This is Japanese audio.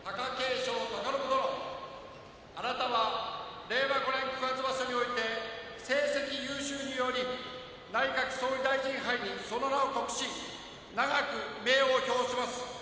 勝貴信殿あなたは令和５年九月場所において成績優秀により内閣総理大臣杯にその名を刻し永く名誉を表彰します。